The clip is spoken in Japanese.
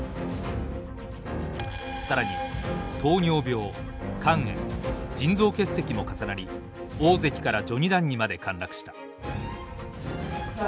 更に糖尿病肝炎腎臓結石も重なり大関から序二段にまで陥落した。